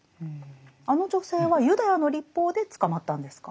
あの女性はユダヤの律法で捕まったんですか？